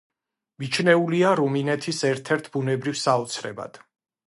მიჩნეულია რუმინეთის ერთ-ერთ ბუნებრივ საოცრებად.